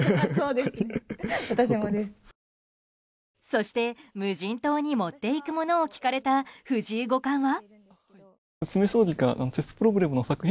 そして無人島に持っていくものを聞かれた藤井五冠は。